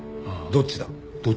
どっちだ？